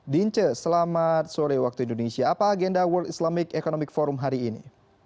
dince selamat sore waktu indonesia apa agenda world islamic economic forum hari ini